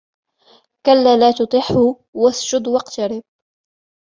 كَلَّا لَا تُطِعْهُ وَاسْجُدْ وَاقْتَرِبْ